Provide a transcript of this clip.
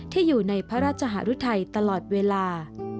ที่อยู่ในพระราชหารุทัยตลอดเวลา